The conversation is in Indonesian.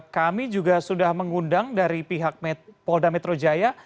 kami juga sudah mengundang dari pihak polda metro jaya